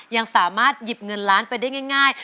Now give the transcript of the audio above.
ยังสามารถหยิบเงินล้านไปได้ง่าย